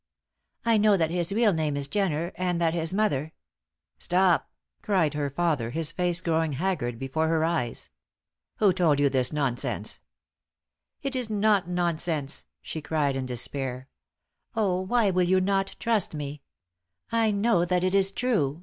"I know that his real name is Jenner, and that his mother " "Stop!" cried her father, his face growing haggard before her eyes. "Who told you this nonsense?" "It is not nonsense," she cried in despair. "Oh, why will you not trust me? I know that it is true.